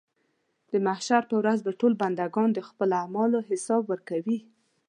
د محشر په ورځ به ټول بندګان د خپلو اعمالو حساب ورکوي.